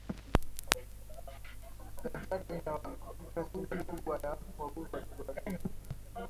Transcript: Zanzibar ina rasilimali kubwa ya wavuvi wadogo wadogo